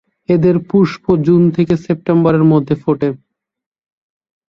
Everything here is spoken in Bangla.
এদের পুষ্প জুন থেকে সেপ্টেম্বরের মধ্যে ফোটে।